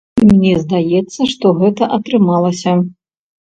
І мне здаецца, што гэта атрымалася.